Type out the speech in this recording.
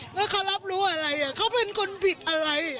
แล้วเขารับรู้อะไรเขาเป็นคนผิดอะไร